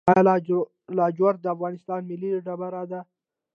آیا لاجورد د افغانستان ملي ډبره ده؟